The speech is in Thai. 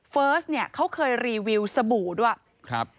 เฟิร์สเขาเคยรีวิวสบู่ด้วย